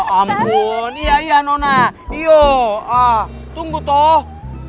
ya ampun iya iya nona tunggu toh